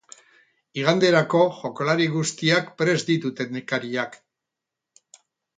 Iganderako jokalari guztiak prest ditu teknikariak.